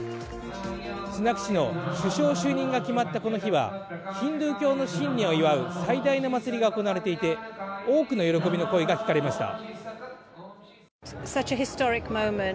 スナク氏の首相就任が決まったこの日はヒンズー教の新年を祝う最大のお祭りが行われていて多くの喜びの声が聞かれました。